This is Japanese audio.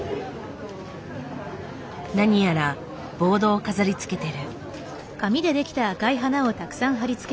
何やらボードを飾りつけてる。